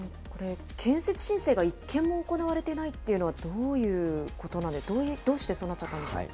建設申請が一件も行われていないというのはどういうことなんで、どうしてそうなっちゃったんでしょう。